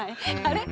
あれ？